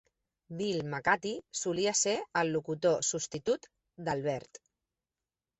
Bill Macatee solia ser el locutor substitut d'Albert.